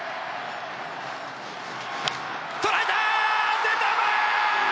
捉えた、センター前！